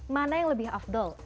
mana yang lebih afdol